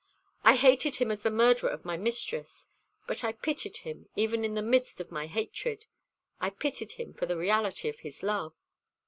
I hated him as the murderer of my mistress, but I pitied him even in the midst of my hatred. I pitied him for the reality of his love."